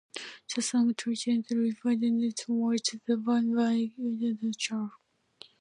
The song titled 'River of Silence' was performed by Lee Bradshaw.